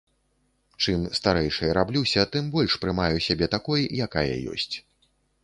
Чым старэйшай раблюся, тым больш прымаю сябе такой, якая ёсць.